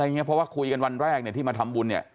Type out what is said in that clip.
เพราะว่าคุยกันวันแรกที่มาทำบุญ